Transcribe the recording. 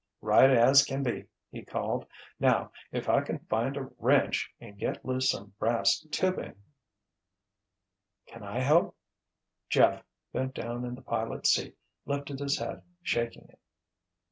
"Right as can be!" he called. "Now if I can find a wrench and get loose some brass tubing——" "Can I help?" Jeff, bent down in the pilot's seat, lifted his head, shaking it.